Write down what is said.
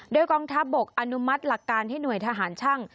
โดยกองทัพบกอนุมัติหลักการให้หน่วยทหารช่าง